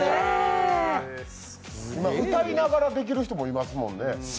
今、歌いながらできる人もいますもんね。